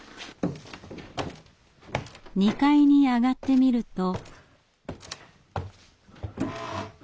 ２階に上がってみると。